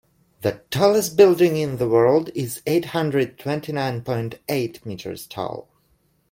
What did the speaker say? The tallest building in the world is eight hundred twenty nine point eight meters tall.